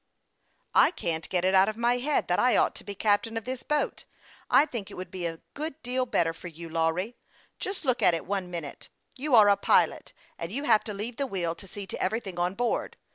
" I can't get it out of my head that I ought to be captain of this boat. I think it would be a good deal better for you, Lawry. Just look at it one minute ! You are a pilot, and you have to leave the wheel to see to everything on board.